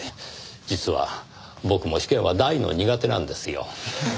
実は僕も試験は大の苦手なんですよ。